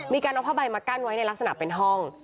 มีการเอาผ้าใบมากั้นไว้ในลักษณะเป็นห้อง